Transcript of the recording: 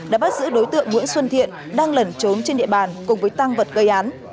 đã bắt giữ đối tượng nguyễn xuân thiện đang lẩn trốn trên địa bàn cùng với tăng vật gây án